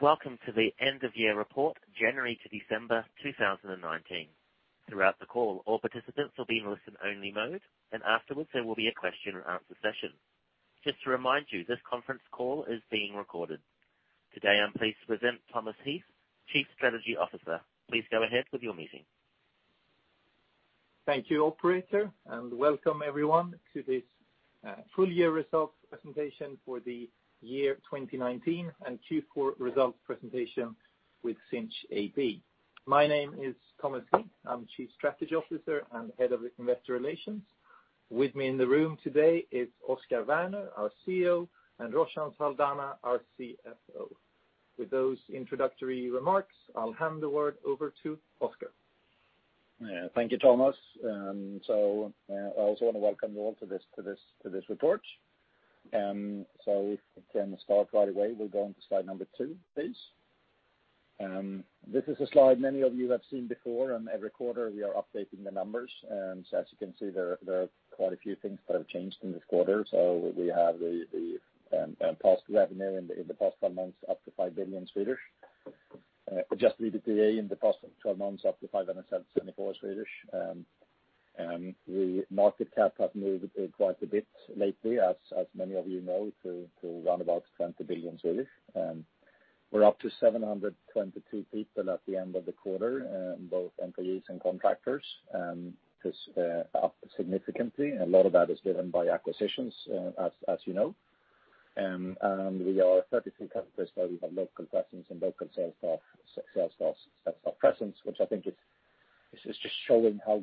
Welcome to the end-of-year report, January to December 2019. Throughout the call, all participants will be in listen-only mode, and afterwards, there will be a question-and-answer session. Just to remind you, this conference call is being recorded. Today, I'm pleased to present Thomas Heath, Chief Strategy Officer. Please go ahead with your meeting. Thank you, operator. Welcome everyone to this Full Year Results Presentation for the year 2019 and Q4 Results Presentation with Sinch AB. My name is Thomas Heath. I'm Chief Strategy Officer and Head of Investor Relations. With me in the room today is Oscar Werner, our CEO, and Roshan Saldanha, our CFO. With those introductory remarks, I'll hand the word over to Oscar. Thank you, Thomas. I also want to welcome you all to this report. If we can start right away, we'll go on to slide number two, please. This is a slide many of you have seen before. Every quarter we are updating the numbers. As you can see, there are quite a few things that have changed in this quarter. We have the past revenue in the past 12 months, up to 5 billion. Adjusted EBITDA in the past 12 months, up to 574. The market cap has moved quite a bit lately, as many of you know, to around about 20 billion. We're up to 722 people at the end of the quarter, both employees and contractors. This is up significantly. A lot of that is driven by acquisitions, as you know. We are in 33 countries where we have local presence and local sales staff presence, which I think is just showing how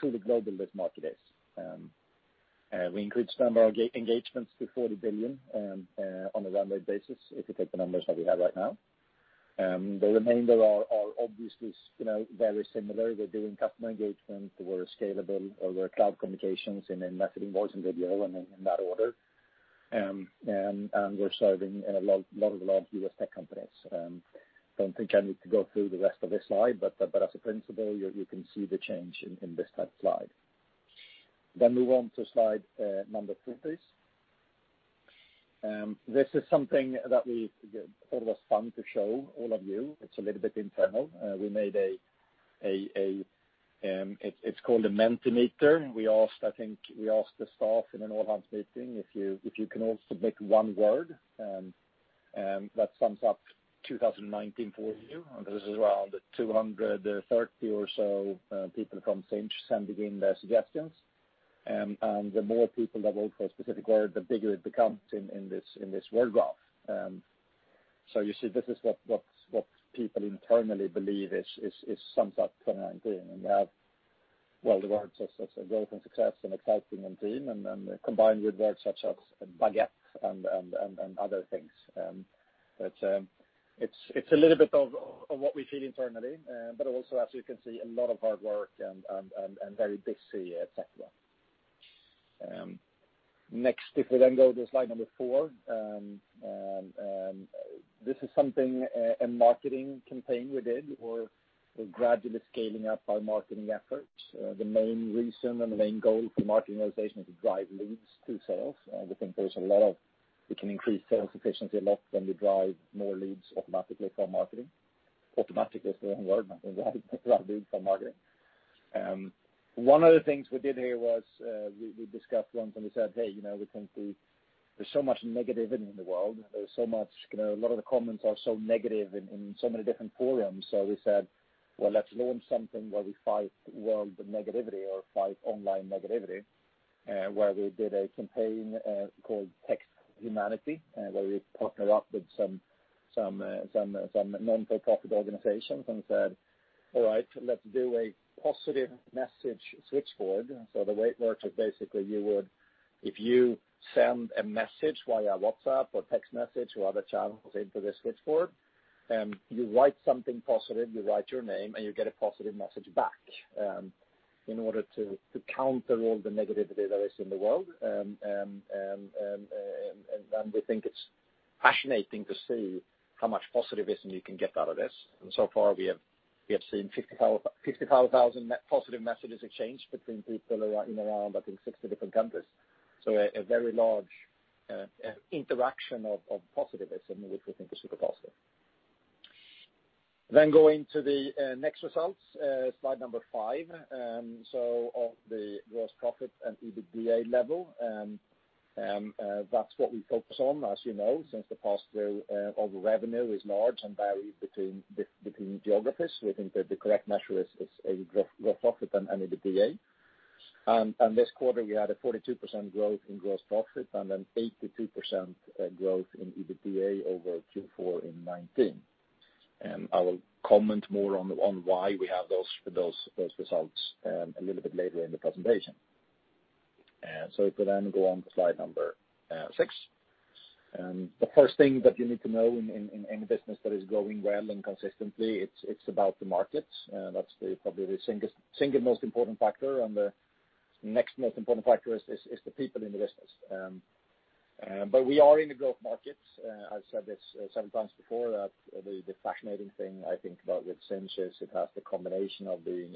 truly global this market is. We increased number of engagements to 40 billion on a run rate basis, if you take the numbers that we have right now. The remainder are obviously very similar. We're doing customer engagement. We're scalable over cloud communications and then messaging, voice, and video in that order. We're serving a lot of large U.S. tech companies. Don't think I need to go through the rest of this slide, but as a principle, you can see the change in this type slide. Move on to slide number three, please. This is something that we thought was fun to show all of you. It's a little bit internal. It's called a Mentimeter. I think we asked the staff in an all-hands meeting if you can all submit one word that sums up 2019 for you. This is around 230 or so people from Sinch sending in their suggestions. The more people that vote for a specific word, the bigger it becomes in this word graph. You see, this is what people internally believe sums up 2019. We have the words growth and success and exciting and team, and then combined with words such as baguette and other things. It's a little bit of what we feel internally, but also as you can see, a lot of hard work and very busy, et cetera. Next, if we then go to slide number four. This is a marketing campaign we did. We're gradually scaling up our marketing efforts. The main reason and the main goal for marketing organization is to drive leads to sales. We think we can increase sales efficiency a lot when we drive more leads automatically from marketing. Automatically is the wrong word. Drive leads from marketing. One of the things we did here was we discussed once and we said, "Hey, there's so much negativity in the world. A lot of the comments are so negative in so many different forums." We said, "Well, let's launch something where we fight world negativity or fight online negativity," where we did a campaign called Text Humanity, where we partnered up with some nonprofit organizations and said, "All right, let's do a positive message switchboard." The way it works is basically, if you send a message via WhatsApp or text message or other channels into this switchboard, you write something positive, you write your name, and you get a positive message back in order to counter all the negativity that is in the world. We think it's fascinating to see how much positivism you can get out of this. So far, we have seen 55,000 net positive messages exchanged between people in around, I think, 60 different countries. A very large interaction of positivism, which we think is super positive. Going to the next results, slide number five. On the gross profit and EBITDA level. That's what we focus on, as you know, since the past year, our revenue is large and varies between geographies. We think that the correct measure is a gross profit and an EBITDA. This quarter, we had a 42% growth in gross profit and an 82% growth in EBITDA over Q4 in 2019. I will comment more on why we have those results a little bit later in the presentation. If we then go on to slide number six. The first thing that you need to know in any business that is growing well and consistently, it's about the market. That's probably the single most important factor, and the next most important factor is the people in the business. We are in the growth market. I've said this several times before that the fascinating thing, I think, about with Sinch is it has the combination of being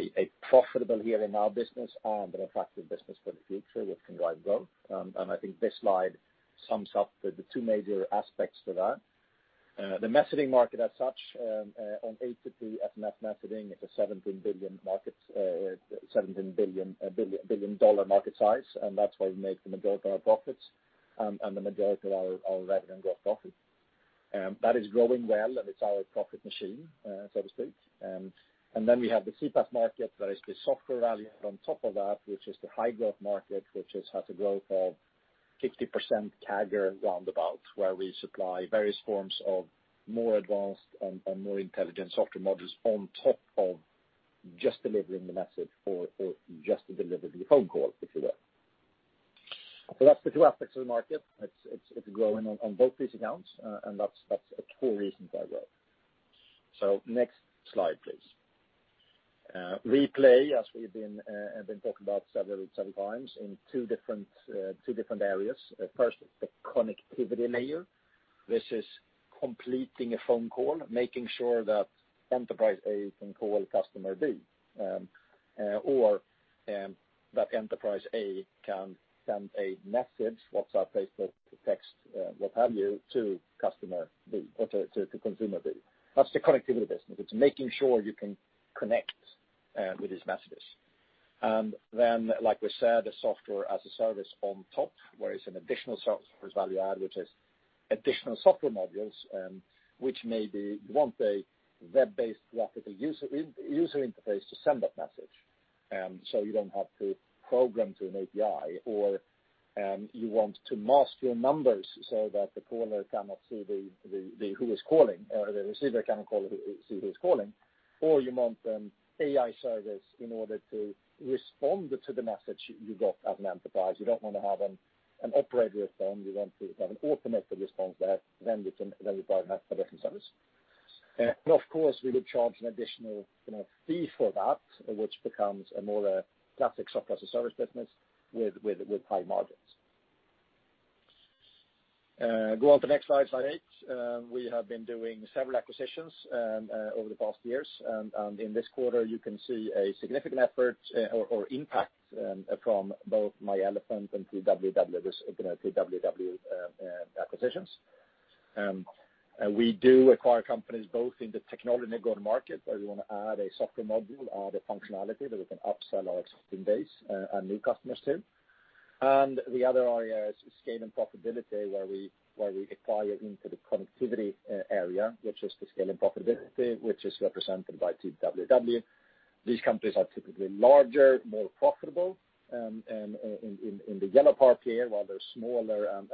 a profitable here and now business and an attractive business for the future, which can drive growth. I think this slide sums up the two major aspects to that. The messaging market as such, on A2P SMS messaging, it's a 17 billion market size, and that's where we make the majority of our profits, and the majority of our revenue and gross profit. That is growing well, and it's our profit machine, so to speak. We have the CPaaS market, where it's the software value on top of that, which is the high growth market, which has had a growth of 60% CAGR roundabout, where we supply various forms of more advanced and more intelligent software modules on top of just delivering the message or just to deliver the phone call, if you will. That's the two aspects of the market. It's growing on both these accounts, and that's the two reasons why growth. Next slide, please. We play, as we have been talking about several times, in two different areas. First, the connectivity layer. This is completing a phone call, making sure that enterprise A can call customer B, or that enterprise A can send a message, WhatsApp, Facebook, text, what have you, to consumer B. That's the connectivity business. It's making sure you can connect with these messages. Like we said, a Software-as-a-Service on top, where it's an additional software's value add, which is additional software modules, which may be you want a web-based graphical user interface to send that message. You don't have to program to an API, or you want to mask your numbers so that the receiver can't see who's calling, or you want an AI service in order to respond to the message you got as an enterprise. You don't want to have an operator phone. You want to have an automated response there. You buy an additional service. Of course, we would charge an additional fee for that, which becomes a more classic Software as a Service business with high margins. Go on to the next slide eight. We have been doing several acquisitions over the past years, and in this quarter, you can see a significant effort or impact from both myElefant and TWW acquisitions. We do acquire companies both in the technology go to market, where we want to add a software module, add a functionality that we can upsell our existing base and new customers too. The other area is scale and profitability, where we acquire into the connectivity area, which is the scale and profitability, which is represented by TWW. These companies are typically larger, more profitable, and in the yellow part here, while they're smaller and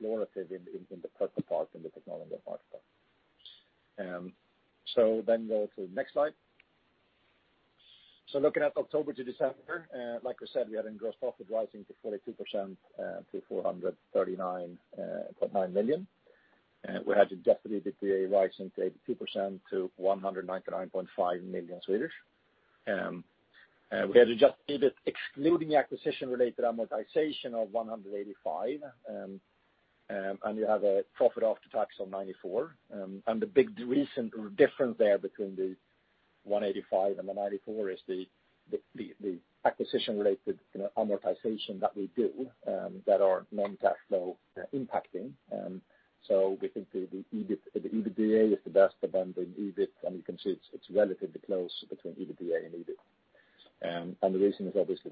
more explorative in the purple part, in the technology part. Go to the next slide. Looking at October to December, like we said, we had gross profit rising to 42% to 439.9 million. We had adjusted EBITDA rising to 82% to 199.5 million. We had adjusted EBIT excluding the acquisition-related amortization of 185, you have a profit after tax of 94. The big difference there between the 185 and the 94 is the acquisition-related amortization that we do, that are non-cash flow impacting. We think the EBITDA is the best, then the EBIT, you can see it's relatively close between EBITDA and EBIT. The reason is obviously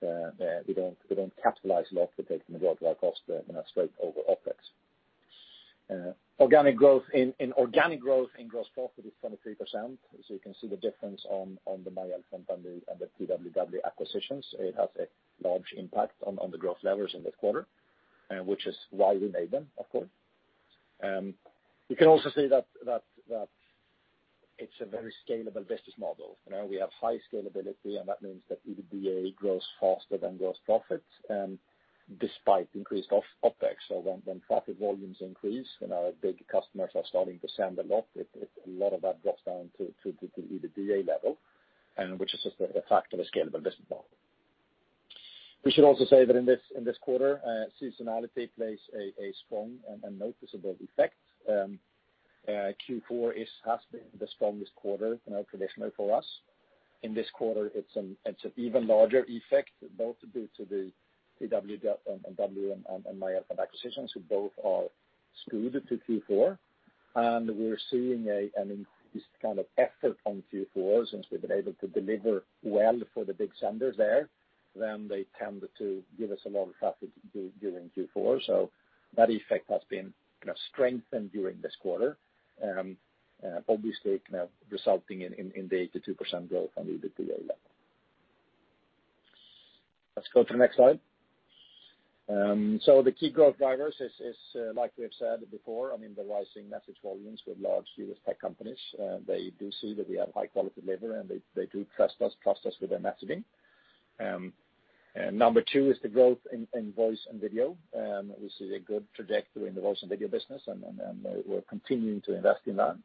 that we don't capitalize a lot. We take them as straight over OpEx. Organic growth in gross profit is 23%, you can see the difference on the myElefant and the TWW acquisitions. It has a large impact on the growth levels in this quarter, which is why we made them, of course. You can also see that it's a very scalable business model. We have high scalability, that means that EBITDA grows faster than gross profits despite increased OpEx. When traffic volumes increase, our big customers are starting to send a lot, a lot of that drops down to the EBITDA level, which is just a fact of a scalable business model. We should also say that in this quarter, seasonality plays a strong and noticeable effect. Q4 has been the strongest quarter traditionally for us. In this quarter, it's an even larger effect, both due to the TWW and myElefant acquisitions, who both are skewed to Q4. We're seeing an increased kind of effort on Q4 since we've been able to deliver well for the big senders there. They tend to give us a lot of traffic during Q4. That effect has been strengthened during this quarter, obviously resulting in the 82% growth on the EBITDA level. Let's go to the next slide. The key growth drivers is, like we have said before, on the rising message volumes with large U.S. tech companies. They do see that we have high-quality delivery, and they do trust us with their messaging. Number two is the growth in voice and video. We see a good trajectory in the voice and video business, and we're continuing to invest in that.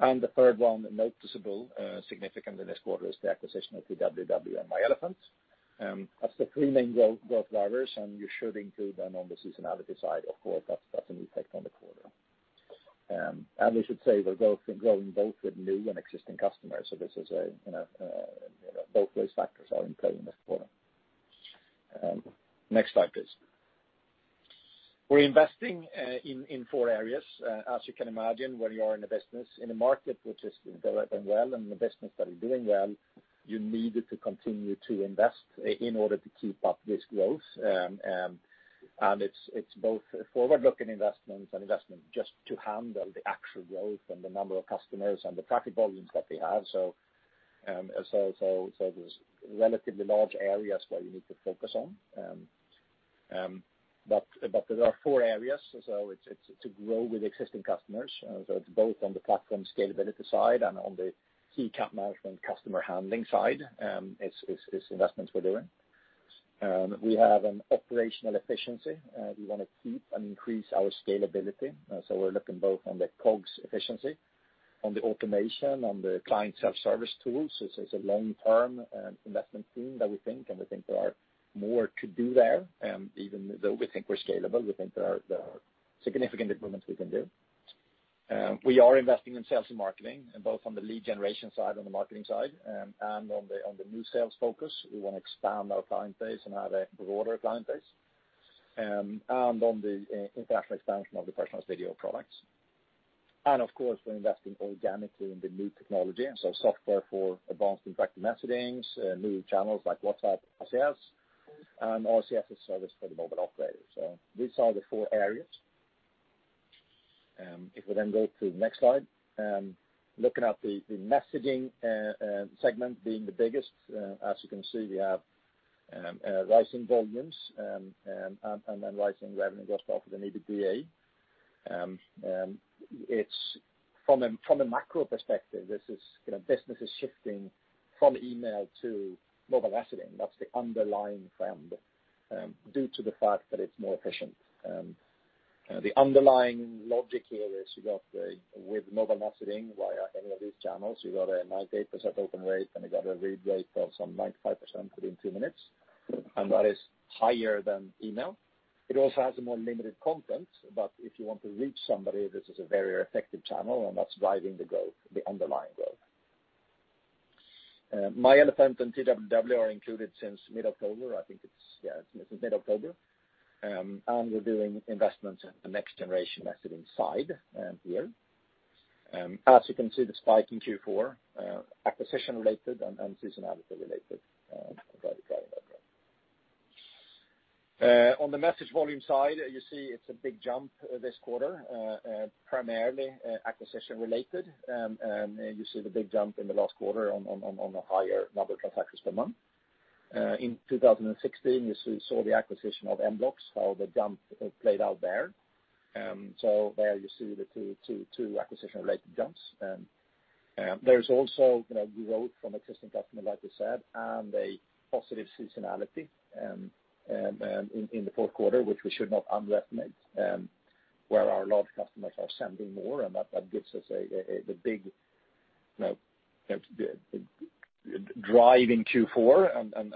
The third one, noticeable, significant in this quarter, is the acquisition of TWW and myElefant. That's the three main growth drivers, you should include them on the seasonality side. Of course, that's an effect on the quarter. We should say we're growing both with new and existing customers, both those factors are in play in this quarter. Next slide, please. We're investing in four areas. As you can imagine, when you are in a business in a market which is developing well and the business that is doing well, you need to continue to invest in order to keep up this growth. It's both forward-looking investments and investment just to handle the actual growth and the number of customers and the traffic volumes that we have. There's relatively large areas where you need to focus on. There are four areas. It's to grow with existing customers, so it's both on the platform scalability side and on the key account management customer handling side, is investments we're doing. We have an operational efficiency. We want to keep and increase our scalability. We're looking both on the COGS efficiency, on the automation, on the client self-service tools. It's a long-term investment theme that we think, and we think there are more to do there, even though we think we're scalable. We think there are significant improvements we can do. We are investing in sales and marketing, both on the lead generation side, on the marketing side, and on the new sales focus. We want to expand our client base and have a broader client base. On the international expansion of the personalized video products. Of course, we're investing organically in the new technology, so software for advanced interactive messaging, new channels like WhatsApp, RCS, and RCS as a service for the mobile operator. These are the four areas. If we go to the next slide. Looking at the messaging segment being the biggest, as you can see, we have rising volumes, and then rising revenue, gross profit and EBITDA. From a macro perspective, business is shifting from email to mobile messaging. That's the underlying trend, due to the fact that it's more efficient. The underlying logic here is you got, with mobile messaging via any of these channels, you got a 98% open rate, and you got a read rate of some 95% within two minutes. That is higher than email. It also has a more limited content. If you want to reach somebody, this is a very effective channel, and that's driving the underlying growth. myElefant and TWW are included since mid-October. We're doing investments in the next-generation messaging side here. As you can see, the spike in Q4, acquisition related and seasonality related, that is driving that growth. On the message volume side, you see it's a big jump this quarter, primarily acquisition related. You see the big jump in the last quarter on the higher number of transactions per month. In 2016, you saw the acquisition of mBlox, how the jump played out there. There you see the two acquisition-related jumps. There's also growth from existing customer, like we said, and a positive seasonality in the fourth quarter, which we should not underestimate, where our large customers are sending more, and that gives us the big drive in Q4, and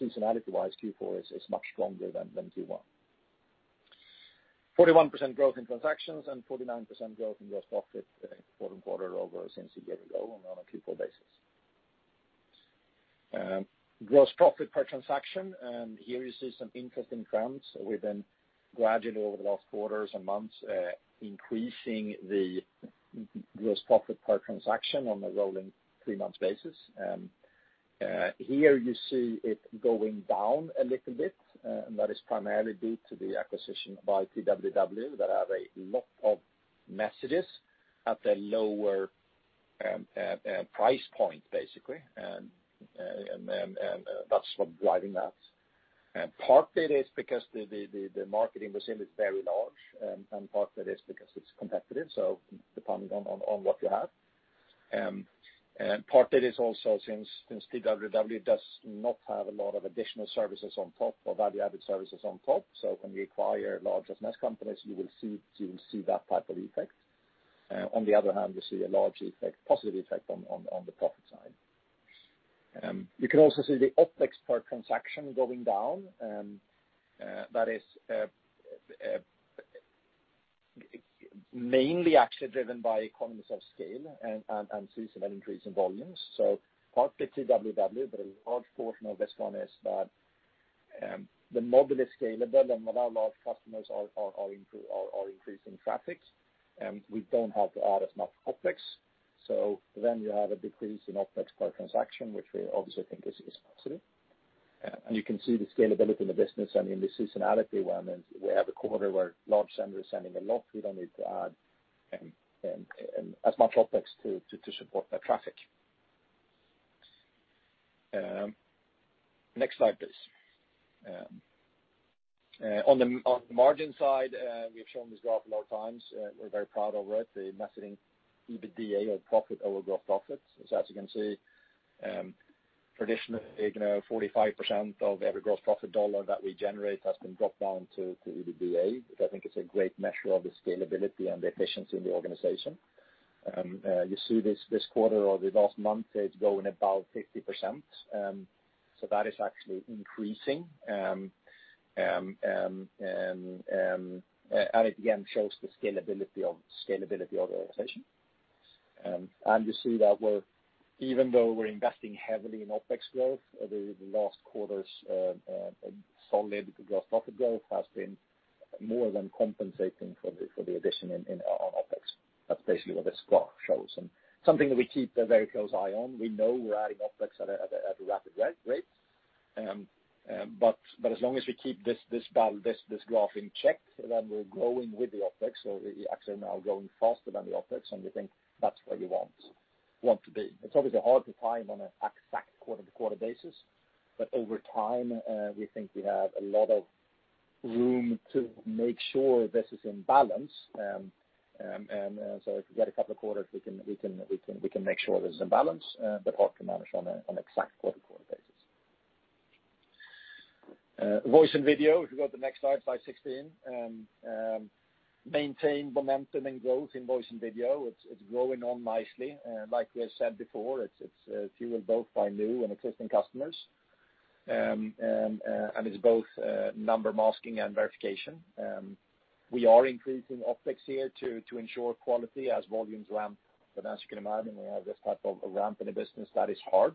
seasonality-wise, Q4 is much stronger than Q1. 41% growth in transactions and 49% growth in gross profit quarter over since a year ago on a Q4 basis. Gross profit per transaction, here you see some interesting trends. We've been gradually, over the last quarters and months, increasing the gross profit per transaction on a rolling three-month basis. Here you see it going down a little bit, that is primarily due to the acquisition of TWW, that have a lot of messages at a lower price point, basically. That's what's driving that. Part it is because the market in Brazil is very large, and part it is because it's competitive, so depending on what you have. Part it is also since TWW does not have a lot of additional services on top or value-added services on top, so when you acquire large SMS companies, you will see that type of effect. On the other hand, you see a large effect, positive effect on the profit side. You can also see the OpEx per transaction going down. That is mainly actually driven by economies of scale and to some extent increase in volumes. Partly TWW, but a large portion of this one is that the mobile is scalable, and when our large customers are increasing traffics, we don't have to add as much OpEx. You have a decrease in OpEx per transaction, which we obviously think is positive. You can see the scalability in the business and in the seasonality one, and we have a quarter where large sender is sending a lot. We don't need to add as much OpEx to support the traffic. Next slide, please. On the margin side, we've shown this graph a lot of times. We're very proud of it. The messaging EBITDA or profit over gross profit. As you can see, traditionally 45% of every gross profit dollar that we generate has been dropped down to EBITDA, which I think is a great measure of the scalability and the efficiency in the organization. You see this quarter or the last month, it's growing about 50%. That is actually increasing. It again shows the scalability of the organization. You see that even though we're investing heavily in OpEx growth, the last quarter's solid gross profit growth has been more than compensating for the addition on OpEx. That's basically what this graph shows, and something that we keep a very close eye on. We know we're adding OpEx at a rapid rate. As long as we keep this graph in check, we're growing with the OpEx. We actually are now growing faster than the OpEx, and we think that's where we want to be. It's obviously hard to time on an exact quarter-to-quarter basis. Over time, we think we have a lot of room to make sure this is in balance. If we get a couple of quarters, we can make sure this is in balance, but hard to manage on an exact quarter-to-quarter basis. Voice and video. If you go to the next slide 16. Maintain momentum and growth in voice and video. It's growing on nicely. Like we have said before, it's fueled both by new and existing customers. It's both number masking and verification. We are increasing OpEx here to ensure quality as volumes ramp. As you can imagine, when we have this type of a ramp in a business that is hard,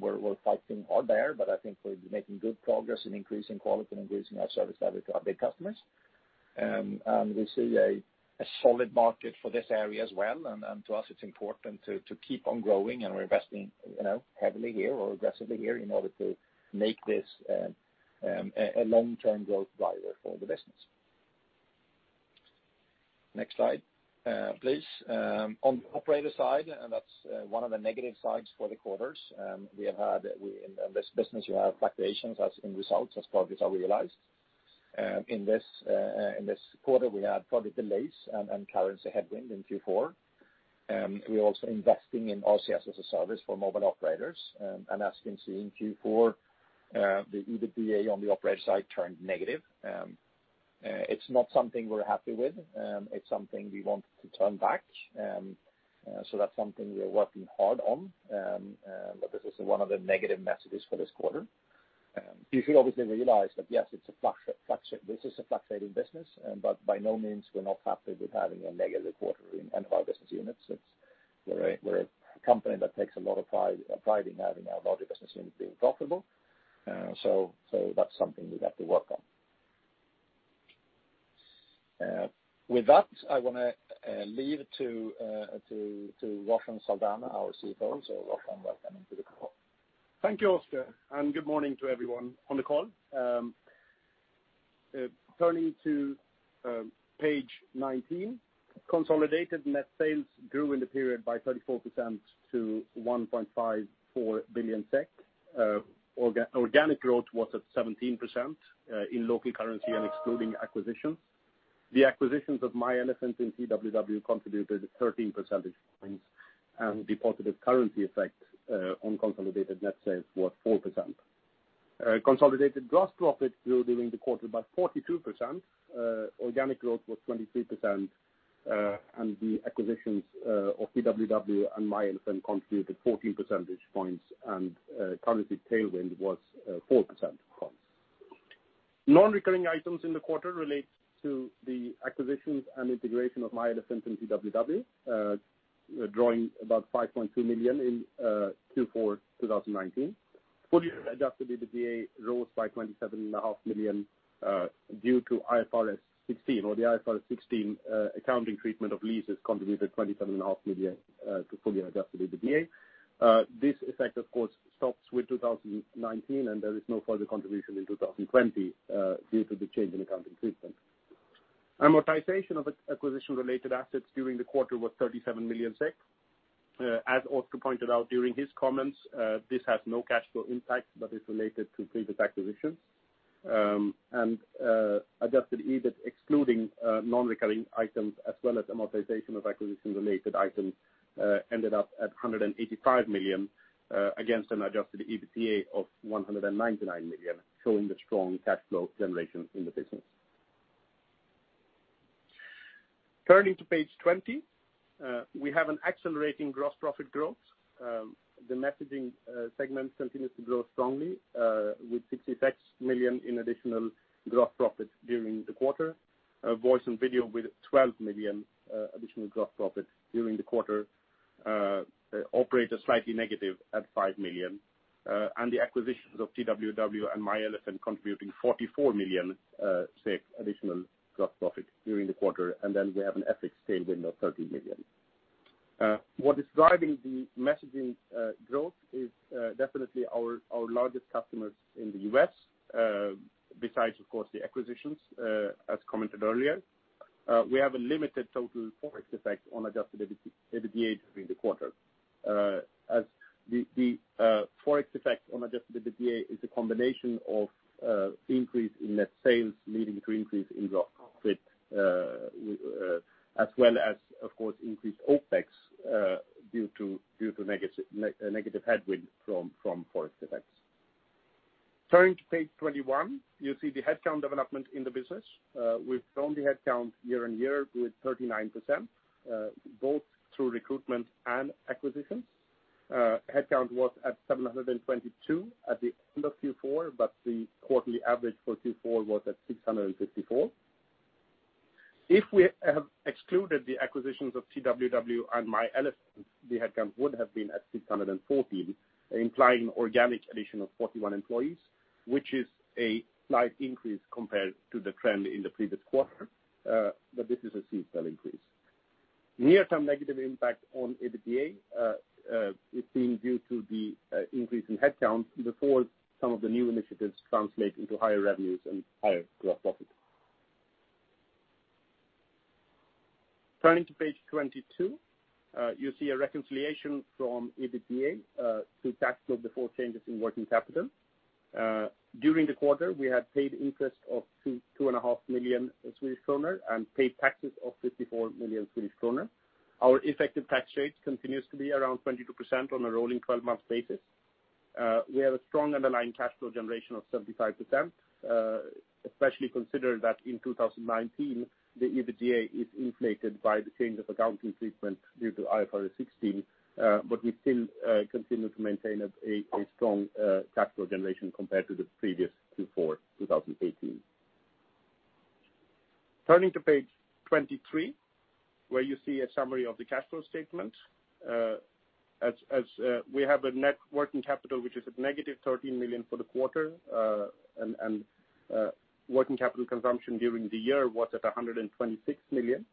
we're fighting hard there, but I think we're making good progress in increasing quality and increasing our service level to our big customers. We see a solid market for this area as well. To us, it's important to keep on growing, and we're investing heavily here or aggressively here in order to make this a long-term growth driver for the business. Next slide, please. On the operator side, and that's one of the negative sides for the quarters. In this business, you have fluctuations as in results as profits are realized. In this quarter, we had project delays and currency headwind in Q4. We're also investing in RCS as a service for mobile operators. As you can see, in Q4, the EBITDA on the operator side turned negative. It's not something we're happy with. It's something we want to turn back. That's something we're working hard on. This is one of the negative messages for this quarter. You should obviously realize that, yes, this is a fluctuating business. By no means we're not happy with having a negative quarter in any of our business units. We're a company that takes a lot of pride in having our larger business units being profitable. That's something we have to work on. With that, I want to leave to Roshan Saldanha, our CFO. Roshan, welcome to the call. Thank you, Oscar, and good morning to everyone on the call. Turning to page 19, consolidated net sales grew in the period by 34% to 1.54 billion SEK. Organic growth was at 17% in local currency and excluding acquisitions. The acquisitions of myElefant and TWW contributed 13 percentage points, and the positive currency effect on consolidated net sales was 4%. Consolidated gross profit grew during the quarter by 42%. Organic growth was 23%, and the acquisitions of TWW and myElefant contributed 14 percentage points, and currency tailwind was 4% growth. Non-recurring items in the quarter relate to the acquisitions and integration of myElefant and TWW, drawing about 5.2 million in Q4 2019. Full year adjusted EBITDA rose by 27.5 million due to IFRS 16, or the IFRS 16 accounting treatment of leases contributed 27.5 million to full-year adjusted EBITDA. This effect, of course, stops with 2019. There is no further contribution in 2020 due to the change in accounting treatment. Amortization of acquisition-related assets during the quarter was 37 million SEK. As Oscar pointed out during his comments, this has no cash flow impact but is related to previous acquisitions. Adjusted EBIT, excluding non-recurring items as well as amortization of acquisition-related items, ended up at 185 million against an adjusted EBITDA of 199 million, showing the strong cash flow generation in the business. Turning to page 20, we have an accelerating gross profit growth. The messaging segment continues to grow strongly, with 66 million in additional gross profit during the quarter. Voice and video with 12 million additional gross profit during the quarter. Operator slightly negative at SEK 5 million. The acquisitions of TWW and myElefant contributing 44 million additional gross profit during the quarter. We have an FX tailwind of 13 million. What is driving the messaging growth is definitely our largest customers in the U.S., besides, of course, the acquisitions, as commented earlier. We have a limited total ForEx effect on adjusted EBITDA during the quarter. The ForEx effect on adjusted EBITDA is a combination of increase in net sales leading to increase in gross profit, as well as, of course, increased OpEx due to negative headwind from ForEx effects. Turning to page 21, you see the headcount development in the business. We've grown the headcount year-on-year with 39%, both through recruitment and acquisitions. Headcount was at 722 at the end of Q4, the quarterly average for Q4 was at 654. If we have excluded the acquisitions of TWW and myElefant, the headcount would have been at 614, implying organic addition of 41 employees, which is a slight increase compared to the trend in the previous quarter. This is a seasonal increase. Near-term negative impact on EBITDA is seen due to the increase in headcount before some of the new initiatives translate into higher revenues and higher gross profit. Turning to page 22, you see a reconciliation from EBITDA to tax flow before changes in working capital. During the quarter, we had paid interest of 2.5 million Swedish kronor and paid taxes of 54 million Swedish kronor. Our effective tax rate continues to be around 22% on a rolling 12-month basis. We have a strong underlying cash flow generation of 75%, especially considering that in 2019, the EBITDA is inflated by the change of accounting treatment due to IFRS 16. We still continue to maintain a strong cash flow generation compared to the previous Q4 2018. Turning to page 23, where you see a summary of the cash flow statement. We have a net working capital, which is at -13 million for the quarter. Working capital consumption during the year was at 126 million.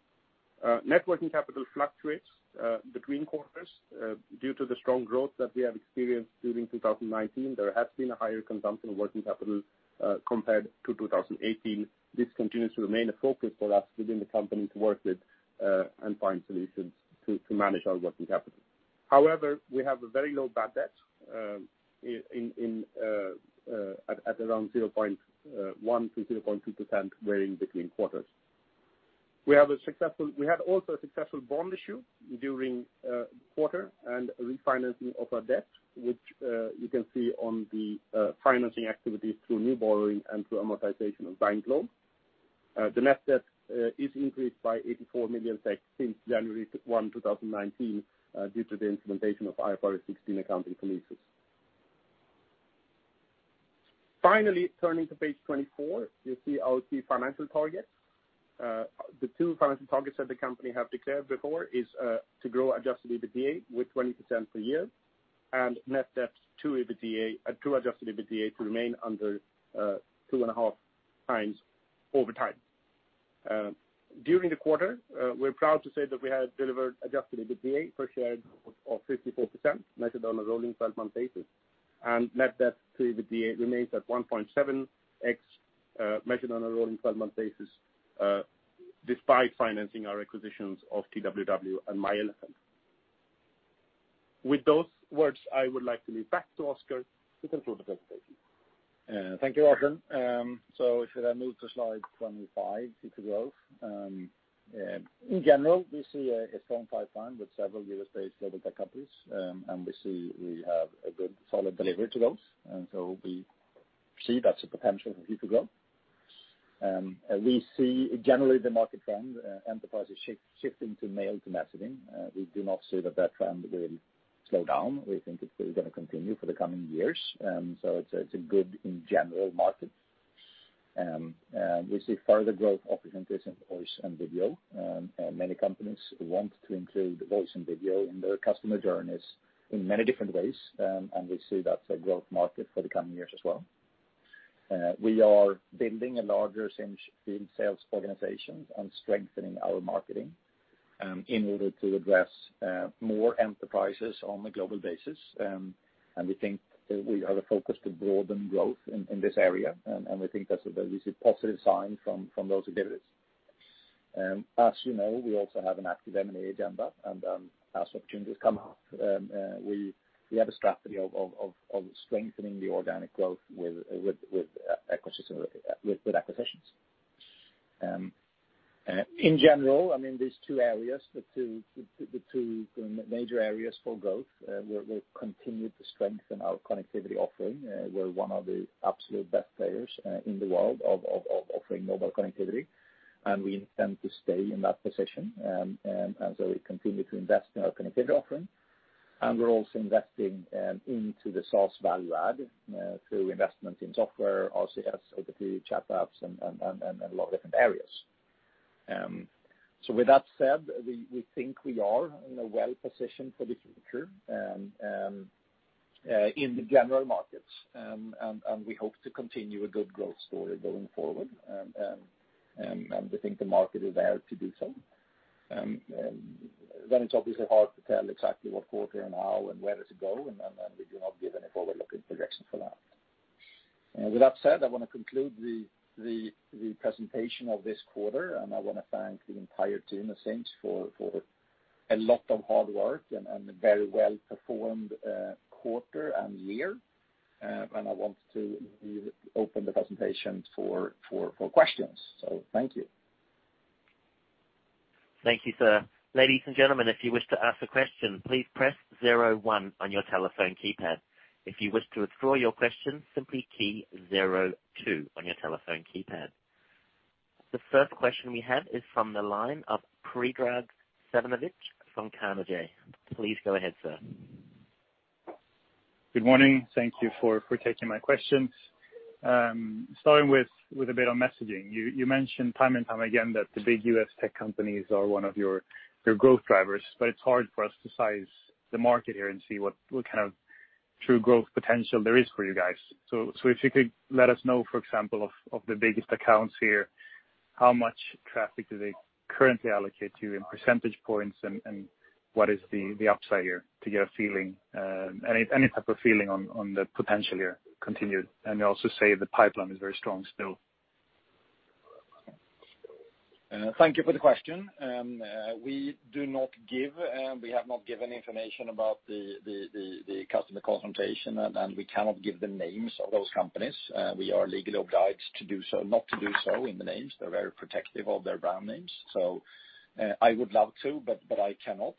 Net working capital fluctuates between quarters. Due to the strong growth that we have experienced during 2019, there has been a higher consumption of working capital compared to 2018. This continues to remain a focus for us within the company to work with and find solutions to manage our working capital. We have a very low bad debt at around 0.1%-0.2%, varying between quarters. We had also a successful bond issue during the quarter and refinancing of our debt, which you can see on the financing activities through new borrowing and through amortization of bank loans. The net debt is increased by 84 million SEK since January 1, 2019 due to the implementation of IFRS 16 accounting for leases. Finally, turning to page 24, you see our key financial targets. The two financial targets that the company have declared before is to grow adjusted EBITDA with 20% per year and net debt to adjusted EBITDA to remain under 2.5x over time. During the quarter, we're proud to say that we have delivered adjusted EBITDA per share growth of 54%, measured on a rolling 12-month basis. Net debt to EBITDA remains at 1.7x, measured on a rolling 12-month basis despite financing our acquisitions of TWW and myElefant. With those words, I would like to leave back to Oscar to conclude the presentation. Thank you, Alfred. If I move to slide 25, key to growth. In general, we see a strong pipeline with several U.S.-based global tech companies, and we see we have a good solid delivery to those. We see that's a potential for future growth. We see generally the market trend, enterprises shifting to mail to messaging. We do not see that that trend will slow down. We think it's going to continue for the coming years. It's good in general market. We see further growth opportunities in voice and video. Many companies want to include voice and video in their customer journeys in many different ways, and we see that's a growth market for the coming years as well. We are building a larger Sinch field sales organization and strengthening our marketing in order to address more enterprises on a global basis. We think that we have a focus to broaden growth in this area, and we think that we see positive signs from those activities. As you know, we also have an active M&A agenda, and as opportunities come up, we have a strategy of strengthening the organic growth with acquisitions. In general, these two areas, the two major areas for growth, we're continued to strengthen our connectivity offering. We're one of the absolute best players in the world of offering mobile connectivity, and we intend to stay in that position. So we continue to invest in our connectivity offering. We're also investing into the SaaS value add through investment in software, RCS, OTT, chat apps, and a lot of different areas. With that said, we think we are well-positioned for the future in the general markets, and we hope to continue a good growth story going forward. We think the market is there to do so. It's obviously hard to tell exactly what quarter and how and where to go, and we do not give any forward-looking projection for that. With that said, I want to conclude the presentation of this quarter, and I want to thank the entire team of Sinch for a lot of hard work and a very well-performed quarter and year. I want to open the presentation for questions. Thank you. Thank you, sir. Ladies and gentlemen, if you wish to ask a question, please press zero one on your telephone keypad. If you wish to withdraw your question, simply key zero two on your telephone keypad. The first question we have is from the line of Predrag Savinovic from Carnegie. Please go ahead, sir. Good morning. Thank you for taking my questions. Starting with a bit on messaging. You mentioned time and time again that the big U.S. tech companies are one of your growth drivers. It's hard for us to size the market here and see what kind of true growth potential there is for you guys. If you could let us know, for example, of the biggest accounts here, how much traffic do they currently allocate you in percentage points, and what is the upside here, to get any type of feeling on the potential here continued. You also say the pipeline is very strong still. Thank you for the question. We have not given information about the customer consultation, and we cannot give the names of those companies. We are legally obliged not to do so in the names. They're very protective of their brand names. I would love to, but I cannot.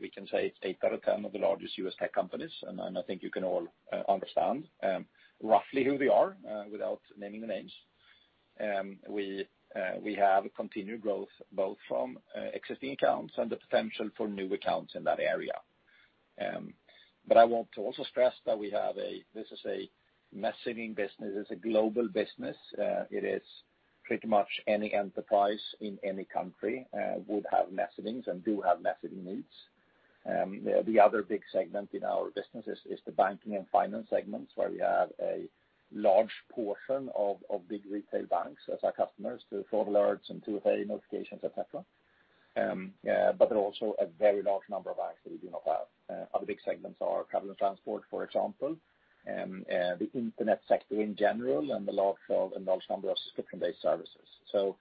We can say it's eight out of 10 of the largest U.S. tech companies, and I think you can all understand roughly who they are without naming the names. We have continued growth both from existing accounts and the potential for new accounts in that area. I want to also stress that this is a messaging business. It's a global business. It is pretty much any enterprise in any country would have messaging and do have messaging needs. The other big segment in our business is the banking and finance segments, where we have a large portion of big retail banks as our customers to fraud alerts and two, three notifications, et cetera. There are also a very large number of banks that we do not have. Other big segments are travel and transport, for example, the internet sector in general, and the large number of subscription-based services.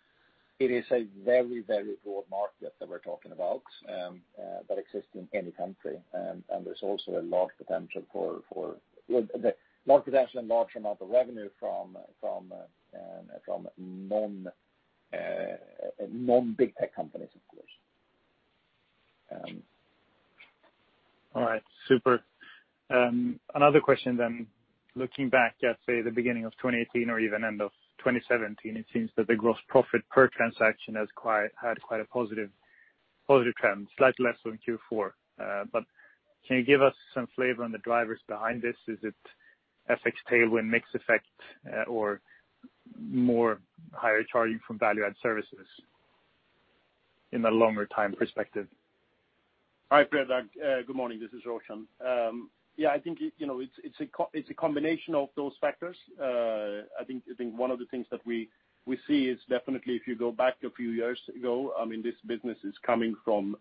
It is a very, very broad market that we're talking about, that exists in any country. There's also a large potential and large amount of revenue from non-big tech companies, of course. All right. Super. Another question. Looking back at, say, the beginning of 2018 or even end of 2017, it seems that the gross profit per transaction had quite a positive trend, slightly less so in Q4. Can you give us some flavor on the drivers behind this? Is it FX tailwind mix effect or more higher charging from value-add services in the longer time perspective? Hi, Predrag. Good morning. This is Roshan. Yeah, I think it's a combination of those factors. I think one of the things that we see is definitely if you go back a few years ago, this business is coming from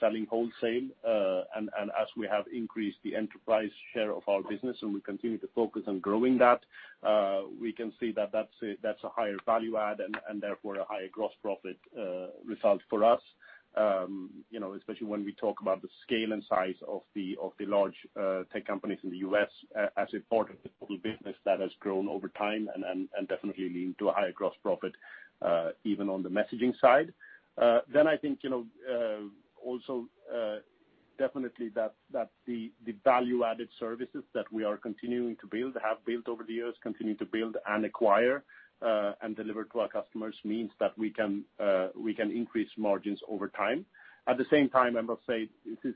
selling wholesale. As we have increased the enterprise share of our business, and we continue to focus on growing that, we can see that that's a higher value add and therefore a higher gross profit result for us. Especially when we talk about the scale and size of the large tech companies in the U.S. as a part of the total business that has grown over time and definitely lead to a higher gross profit, even on the messaging side. I think, also, definitely that the value-added services that we are continuing to build, have built over the years, continue to build and acquire, and deliver to our customers means that we can increase margins over time. At the same time, I must say, this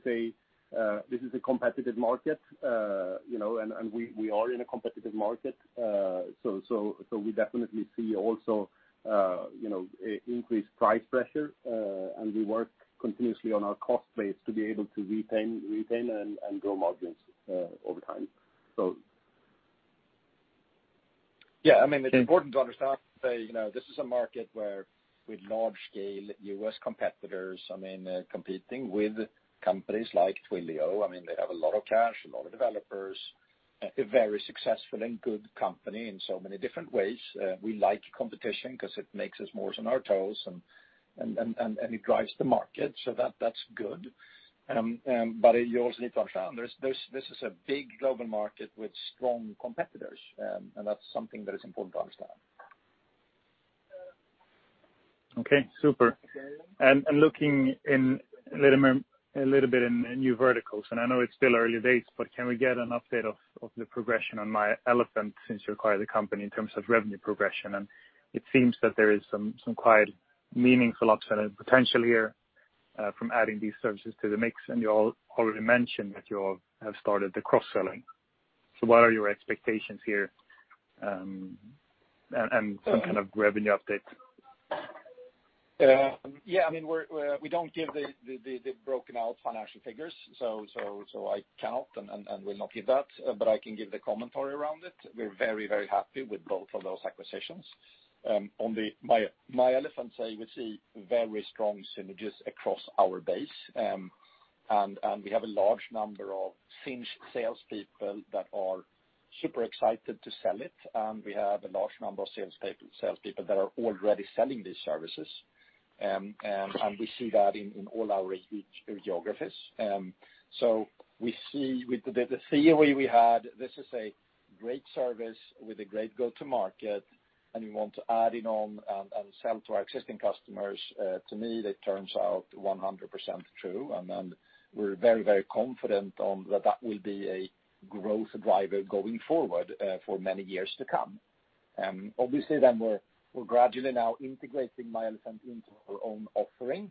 is a competitive market, and we are in a competitive market. We definitely see also increased price pressure, and we work continuously on our cost base to be able to retain and grow margins over time. Yeah, it's important to understand that this is a market where with large scale U.S. competitors, competing with companies like Twilio. They have a lot of cash, a lot of developers, a very successful and good company in so many different ways. We like competition because it makes us more on our toes, and it drives the market, so that's good. You also need to understand, this is a big global market with strong competitors, and that's something that is important to understand. Okay, super. Looking a little bit in new verticals, and I know it's still early days, but can we get an update of the progression on myElefant since you acquired the company in terms of revenue progression? It seems that there is some quite meaningful upside and potential here from adding these services to the mix. You already mentioned that you have started the cross-selling. What are your expectations here, and some kind of revenue update? Yeah, we don't give the broken-out financial figures, so I cannot and will not give that, but I can give the commentary around it. We're very, very happy with both of those acquisitions. On the myElefant side, you will see very strong synergies across our base. We have a large number of Sinch salespeople that are super excited to sell it, and we have a large number of salespeople that are already selling these services. We see that in all our geographies. The theory we had, this is a great service with a great go-to-market, and we want to add in on and sell to our existing customers. To me, that turns out 100% true, and then we're very confident that will be a growth driver going forward for many years to come. Obviously, we're gradually now integrating myElefant into our own offering.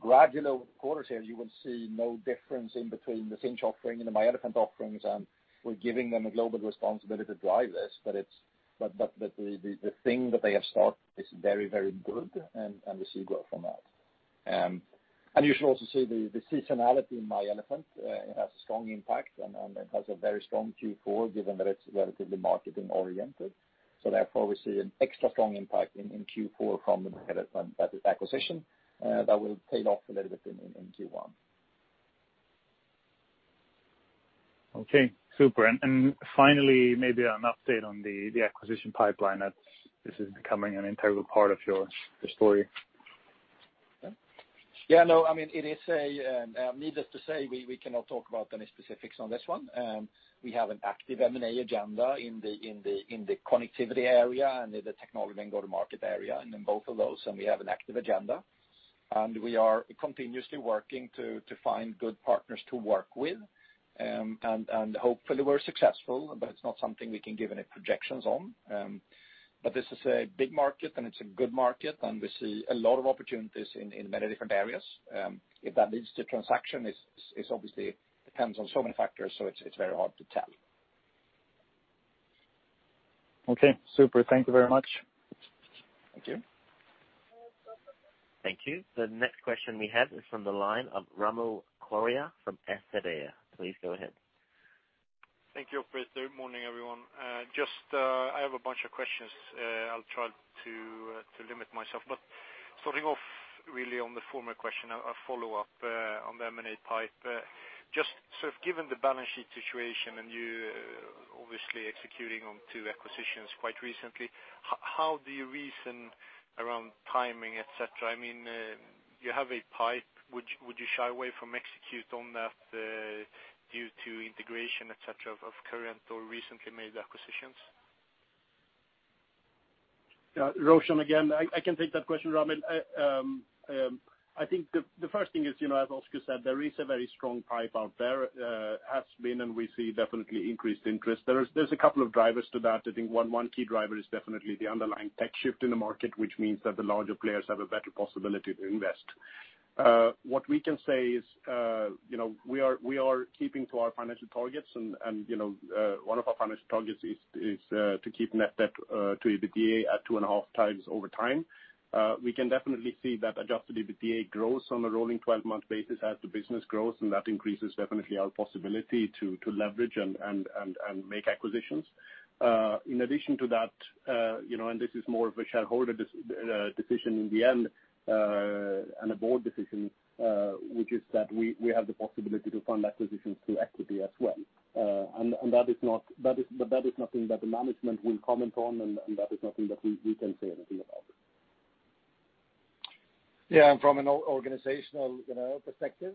Gradually over the quarter here, you will see no difference between the Sinch offering and the myElefant offerings, and we're giving them a global responsibility to drive this. The thing that they have started is very good, and we see growth from that. You should also see the seasonality in myElefant. It has a strong impact, and it has a very strong Q4, given that it's relatively marketing-oriented. Therefore, we see an extra strong impact in Q4 from the myElefant acquisition that will pay off a little bit in Q1. Okay, super. Finally, maybe an update on the acquisition pipeline, as this is becoming an integral part of your story. Yeah. Needless to say, we cannot talk about any specifics on this one. We have an active M&A agenda in the connectivity area and in the technology and go-to-market area, and in both of those, and we have an active agenda. We are continuously working to find good partners to work with, and hopefully we're successful, but it's not something we can give any projections on. This is a big market and it's a good market, and we see a lot of opportunities in many different areas. If that leads to transaction, it obviously depends on so many factors, so it's very hard to tell. Okay, super. Thank you very much. Thank you. Thank you. The next question we have is from the line of Ramil Koria from Protean. Please go ahead. Thank you, operator. Morning, everyone. I have a bunch of questions. I'll try to limit myself. Starting off really on the former question, a follow-up on the M&A pipe. Just sort of given the balance sheet situation and you obviously executing on two acquisitions quite recently, how do you reason around timing, et cetera? You have a pipe, would you shy away from execute on that due to integration et cetera of current or recently made acquisitions? Yeah. Roshan again. I can take that question, Ramil. I think the first thing is, as Oscar said, there is a very strong pipe out there, has been, and we see definitely increased interest. There's a couple of drivers to that. I think one key driver is definitely the underlying tech shift in the market, which means that the larger players have a better possibility to invest. What we can say is we are keeping to our financial targets, and one of our financial targets is to keep net debt to EBITDA at 2.5x over time. We can definitely see that adjusted EBITDA grows on a rolling 12-month basis as the business grows, and that increases definitely our possibility to leverage and make acquisitions. In addition to that, this is more of a shareholder decision in the end, and a board decision, which is that we have the possibility to fund acquisitions through equity as well. That is nothing that the management will comment on, and that is nothing that we can say anything about. From an organizational perspective,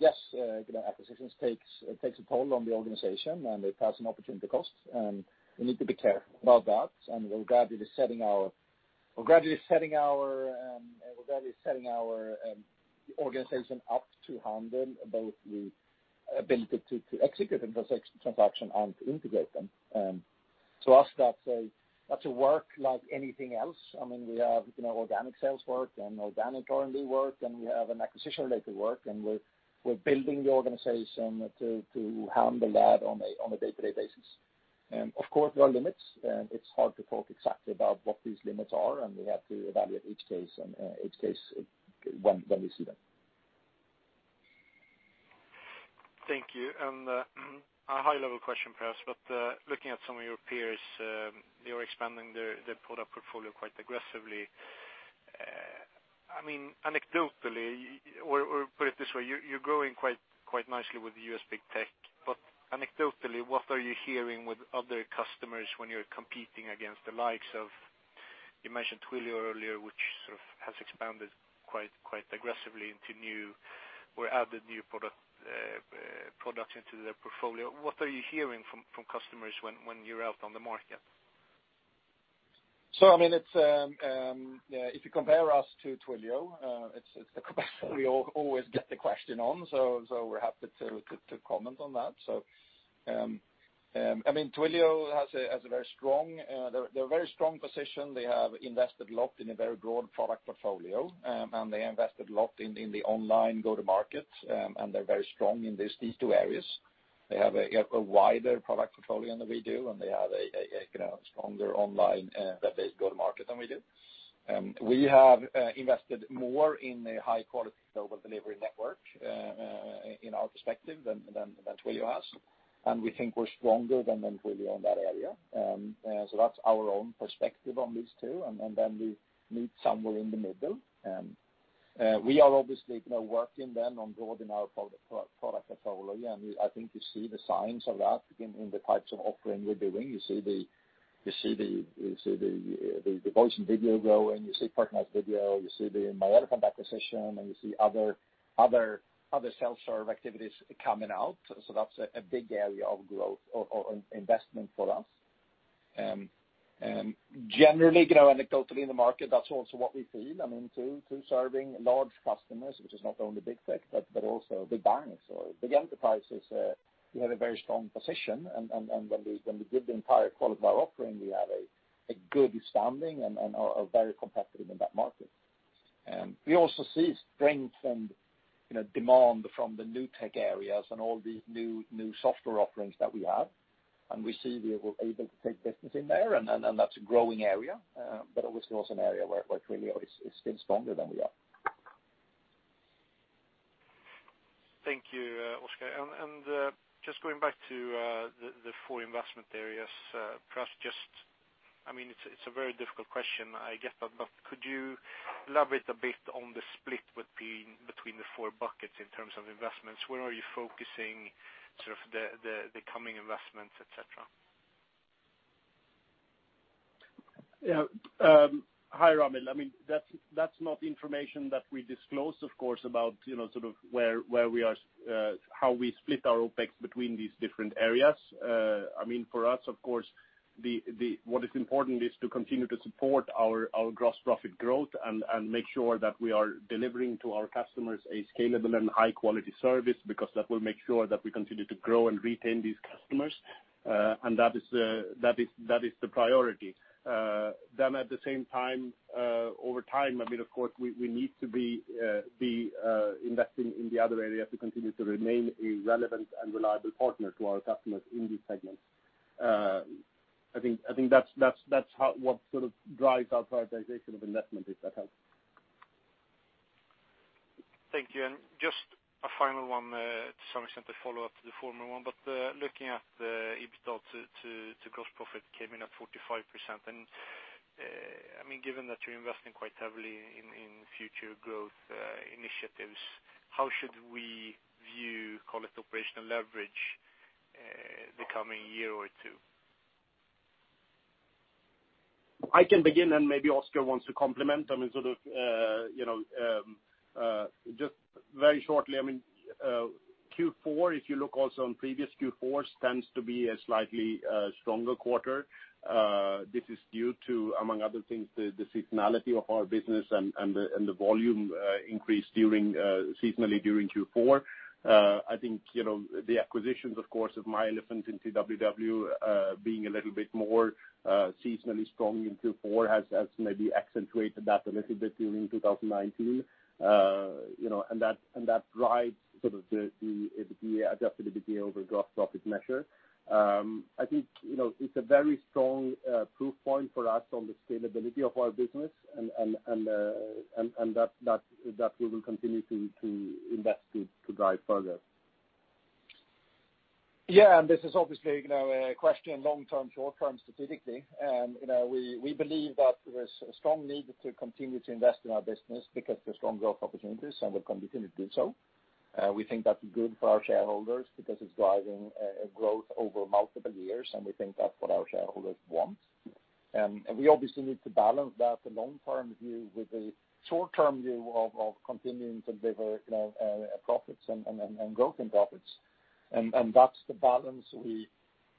yes, acquisitions takes a toll on the organization, and it has an opportunity cost, and we need to be careful about that. We're gradually setting our organization up to handle both the ability to execute the transaction and to integrate them. To us, that's a work like anything else. We have organic sales work and organic R&D work, and we have an acquisition-related work, and we're building the organization to handle that on a day-to-day basis. Of course, there are limits, and it's hard to talk exactly about what these limits are, and we have to evaluate each case when we see them. Thank you. A high-level question, perhaps, but looking at some of your peers, they're expanding their product portfolio quite aggressively. Put it this way, you're growing quite nicely with the U.S. big tech. Anecdotally, what are you hearing with other customers when you're competing against the likes of, you mentioned Twilio earlier, which sort of has expanded quite aggressively and added new products into their portfolio. What are you hearing from customers when you're out on the market? If you compare us to Twilio, we always get the question on, so we're happy to comment on that. Twilio has a very strong position. They have invested a lot in a very broad product portfolio, and they invested a lot in the online go-to-market, and they're very strong in these two areas. They have a wider product portfolio than we do, and they have a stronger online-based go-to-market than we do. We have invested more in a high-quality global delivery network, in our perspective, than Twilio has. We think we're stronger than Twilio in that area. That's our own perspective on these two, and then we meet somewhere in the middle. We are obviously working then on broadening our product portfolio, and I think you see the signs of that in the types of offering we're doing. You see the voice and video growing, you see personalized video, you see the myElefant acquisition, and you see other self-serve activities coming out. That's a big area of growth or investment for us. Generally, anecdotally in the market, that's also what we see. I mean, to serving large customers, which is not only big tech, but also big banks or big enterprises. We have a very strong position, and when we give the entire Qualifire offering, we have a good standing and are very competitive in that market. We also see strengthened demand from the new tech areas and all these new software offerings that we have. We see we're able to take business in there, and that's a growing area. Obviously also an area where Twilio is still stronger than we are. Thank you, Oscar. Just going back to the four investment areas. Perhaps It's a very difficult question, I get that, but could you elaborate a bit on the split between the four buckets in terms of investments, where are you focusing the coming investments, et cetera? Yeah. Hi, Ramil. That's not information that we disclose, of course, about how we split our OpEx between these different areas. For us, of course, what is important is to continue to support our gross profit growth and make sure that we are delivering to our customers a scalable and high-quality service, because that will make sure that we continue to grow and retain these customers. That is the priority. At the same time, over time, of course, we need to be investing in the other area to continue to remain a relevant and reliable partner to our customers in these segments. I think that's what drives our prioritization of investment, if that helps. Thank you. Just a final one, to some extent a follow-up to the former one, but looking at the EBITDA to gross profit came in at 45%. Given that you're investing quite heavily in future growth initiatives, how should we view call it operational leverage the coming year or two? I can begin, and maybe Oscar wants to complement. Just very shortly, Q4, if you look also on previous Q4s, tends to be a slightly stronger quarter. This is due to, among other things, the seasonality of our business and the volume increase seasonally during Q4. I think the acquisitions, of course, of myElefant and TWW being a little bit more seasonally strong in Q4 has maybe accentuated that a little bit during 2019. That drives the adjusted EBITDA over gross profit measure. I think it's a very strong proof point for us on the scalability of our business, and that we will continue to invest to drive further. Yeah, this is obviously a question long-term, short-term strategically. We believe that there's a strong need to continue to invest in our business because there's strong growth opportunities, and we're going to continue to do so. We think that's good for our shareholders because it's driving growth over multiple years, and we think that's what our shareholders want. We obviously need to balance that long-term view with the short-term view of continuing to deliver profits and growth in profits. That's the balance we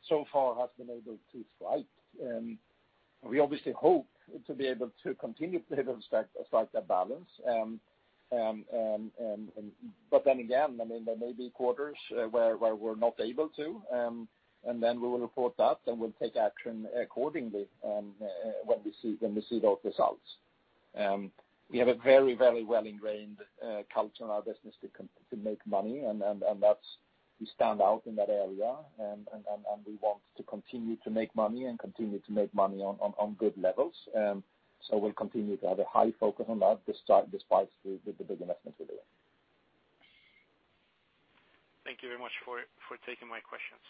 so far have been able to strike. We obviously hope to be able to continue to strike that balance. There may be quarters where we're not able to. We will report that, and we'll take action accordingly when we see those results. We have a very well-ingrained culture in our business to make money. We stand out in that area. We want to continue to make money and continue to make money on good levels. We'll continue to have a high focus on that despite the big investments we're doing. Thank you very much for taking my questions.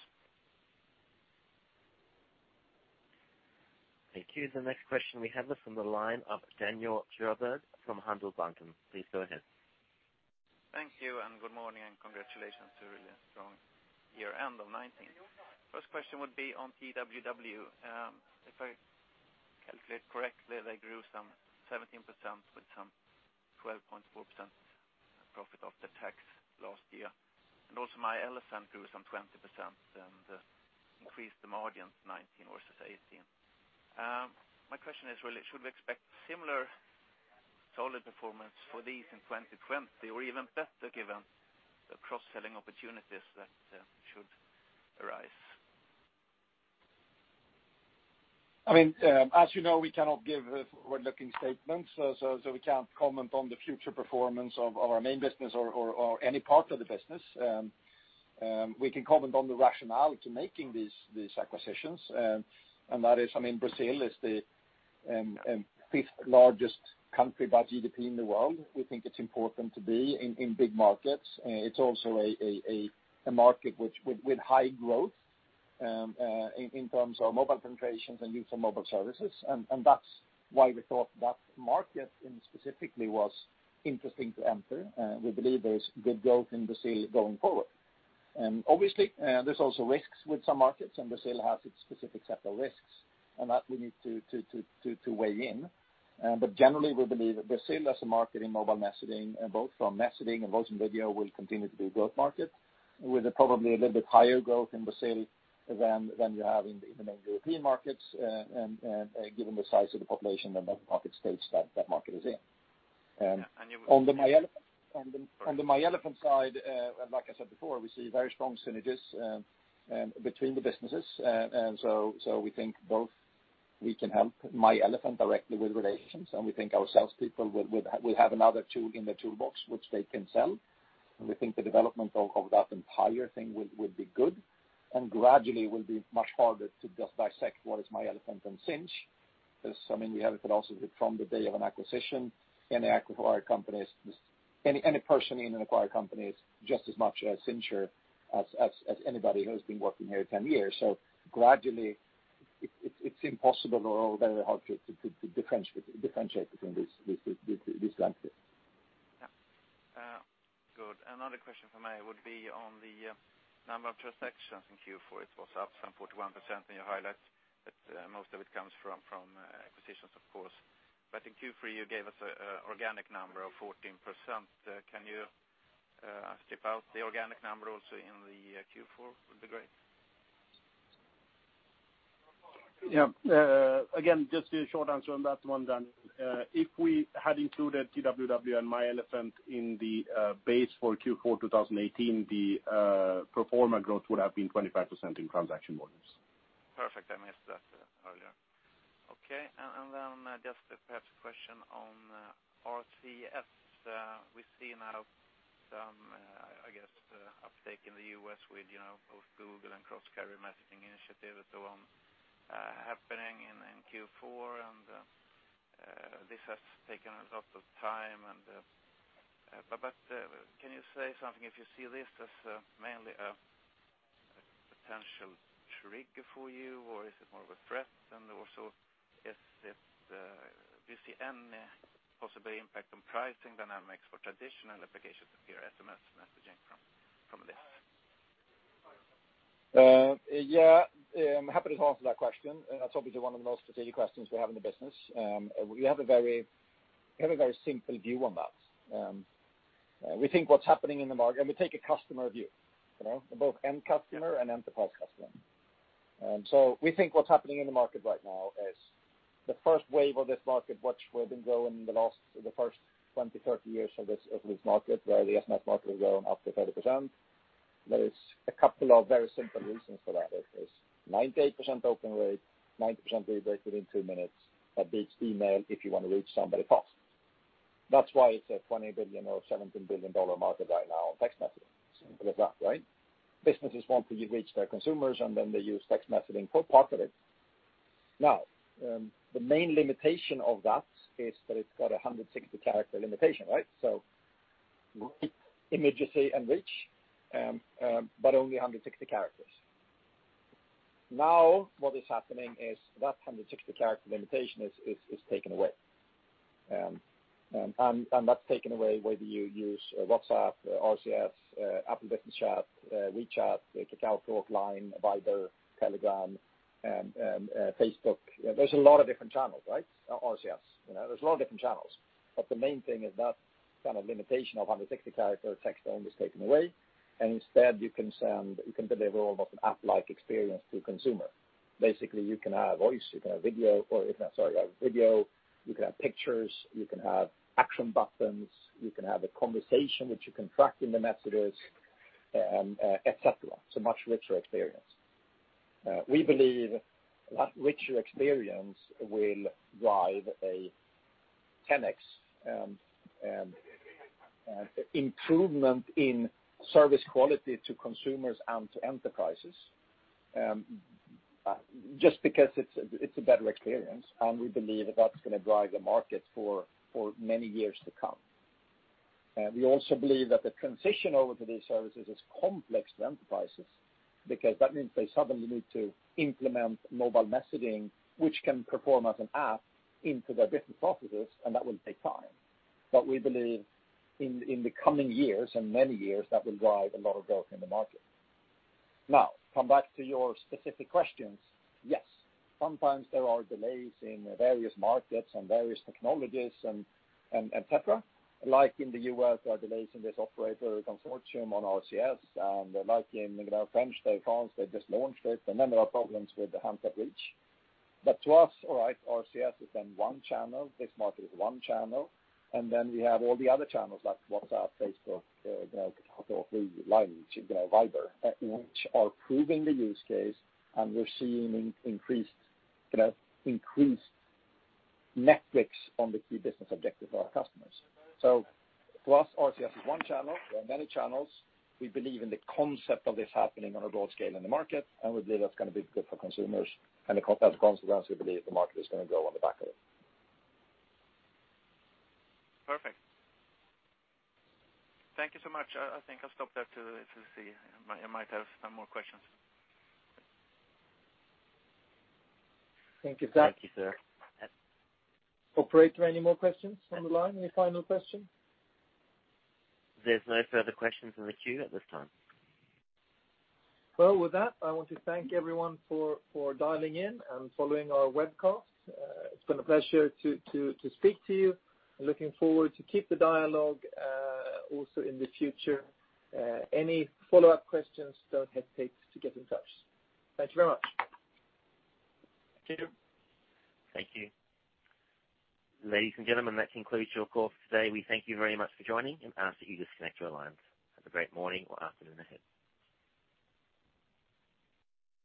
Thank you. The next question we have is from the line of Daniel Djurberg from Handelsbanken. Please go ahead. Thank you, good morning, and congratulations to a really strong year-end of 2019. First question would be on TWW. If I calculate correctly, they grew some 17% with some 12.4% profit after tax last year. Also myElefant grew some 20% and increased the margin 2019 versus 2018. My question is really, should we expect similar solid performance for these in 2020 or even better given the cross-selling opportunities that should arise? As you know, we cannot give forward-looking statements. We can't comment on the future performance of our main business or any part of the business. We can comment on the rationale to making these acquisitions, that is, Brazil is the fifth largest country by GDP in the world. We think it's important to be in big markets. It's also a market with high growth in terms of mobile penetration and use of mobile services, that's why we thought that market specifically was interesting to enter. We believe there's good growth in Brazil going forward. Obviously, there's also risks with some markets, and Brazil has its specific set of risks and that we need to weigh in. Generally, we believe that Brazil, as a market in mobile messaging, both from messaging and voice and video, will continue to be a growth market with probably a little bit higher growth in Brazil than you have in the European markets, and given the size of the population and the market stage that market is in. On the myElefant side, like I said before, we see very strong synergies between the businesses. We think both we can help myElefant directly with relations, and we think our salespeople will have another tool in the toolbox which they can sell. We think the development of that entire thing would be good and gradually will be much harder to just dissect what is myElefant and Sinch. We have a philosophy from the day of an acquisition, any acquired companies, any person in an acquired company is just as much a Sincher as anybody who's been working here 10 years. Gradually, it's impossible or very hard to differentiate between these entities. Yeah. Good. Another question from me would be on the number of transactions in Q4. It was up some 41%, and you highlight that most of it comes from acquisitions, of course. In Q3, you gave us an organic number of 14%. Can you strip out the organic number also in the Q4 would be great. Yeah. Again, just the short answer on that one, Dan. If we had included TWW and myElefant in the base for Q4 2018, the pro forma growth would have been 25% in transaction volumes. Perfect. I missed that earlier. Okay, then just perhaps a question on RCS. We see now some, I guess, uptake in the U.S. with both Google and Cross Carrier Messaging Initiative happening in Q4, and this has taken a lot of time. Can you say something if you see this as mainly a potential trigger for you, or is it more of a threat? Also do you see any possible impact on pricing dynamics for traditional applications of your SMS messaging from this? Yeah. I'm happy to answer that question. It is obviously one of the most strategic questions we have in the business. We have a very simple view on that. We take a customer view, both end customer and enterprise customer. We think what is happening in the market right now is the first wave of this market, which would have been growing the first 20, 30 years of this market, where the SMS market was growing up to 30%. There is a couple of very simple reasons for that. It is 98% open rate, 90% read rate within two minutes. That beats email if you want to reach somebody fast. That is why it is a $20 billion or $17 billion market right now on text messaging. Simple as that, right? Businesses want to reach their consumers, and then they use text messaging for part of it. The main limitation of that is that it's got 160-character limitation, right? Great immediacy and reach, but only 160 characters. What is happening is that 160-character limitation is taken away, and that's taken away whether you use WhatsApp, RCS, Apple Business Chat, WeChat, KakaoTalk, Line, Viber, Telegram, and Facebook. There's a lot of different channels, right? RCS. There's a lot of different channels, but the main thing is that limitation of 160-character text is taken away, and instead, you can deliver almost an app-like experience to a consumer. Basically, you can have voice, you can have video, you can have pictures, you can have action buttons, you can have a conversation which you can track in the messages, et cetera. Much richer experience. We believe that richer experience will drive a 10x improvement in service quality to consumers and to enterprises, just because it's a better experience, and we believe that's going to drive the market for many years to come. We also believe that the transition over to these services is complex to enterprises because that means they suddenly need to implement mobile messaging, which can perform as an app into their business processes, and that will take time. We believe in the coming years and many years, that will drive a lot of growth in the market. Now, come back to your specific questions. Yes, sometimes there are delays in various markets and various technologies, and et cetera. Like in the U.S., there are delays in this operator consortium on RCS, and like in France, they just launched it, and then there are problems with the handset reach. To us, all right, RCS is one channel. This market is one channel, we have all the other channels like WhatsApp, Facebook, KakaoTalk, Line, Viber, which are proving the use case, and we're seeing increased net mix on the key business objectives of our customers. To us, RCS is one channel. There are many channels. We believe in the concept of this happening on a broad scale in the market, we believe that's going to be good for consumers. As a consequence, we believe the market is going to grow on the back of it. Perfect. Thank you so much. I think I'll stop there to see. I might have some more questions. Thank you, Zach. Thank you, sir. Operator, any more questions on the line? Any final question? There's no further questions in the queue at this time. With that, I want to thank everyone for dialing in and following our webcast. It's been a pleasure to speak to you. I'm looking forward to keep the dialogue also in the future. Any follow-up questions, don't hesitate to get in touch. Thank you very much. Thank you. Thank you. Ladies and gentlemen, that concludes your call for today. We thank you very much for joining and ask that you disconnect your lines. Have a great morning or afternoon ahead.